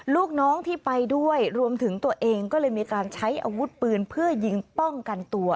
ลูกน้องที่ไปด้วยรวมถึงตัวเองก็เลยมีการใช้อาวุธปืนเพื่อยิงป้องกันตัว